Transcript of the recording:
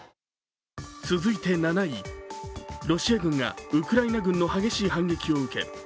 続いて７位、ロシア軍がウクライナ軍の激しい反撃を受け